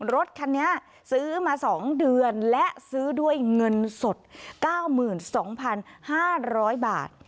รถคันนี้ซื้อมา๒เดือนและซื้อด้วยเงินสด๙๒๕๐๐บาท